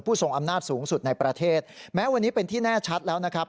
ทรงอำนาจสูงสุดในประเทศแม้วันนี้เป็นที่แน่ชัดแล้วนะครับ